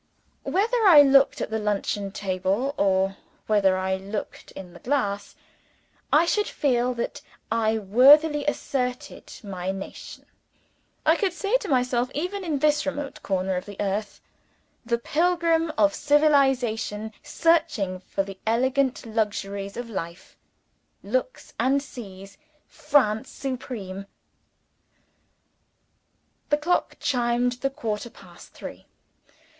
Whether I looked at the luncheon table, or whether I looked in the glass, I could feel that I worthily asserted my nation; I could say to myself, Even in this remote corner of the earth, the pilgrim of civilization searching for the elegant luxuries of life, looks and sees France supreme! The clock chimed the quarter past three.